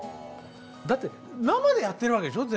だって生でやってるわけでしょ？